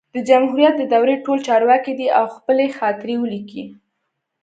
د جمهوریت د دورې ټول چارواکي دي او خپلي خاطرې ولیکي